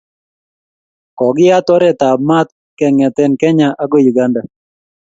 kokiyat oret ab maat kengete Kenya akoi Uganda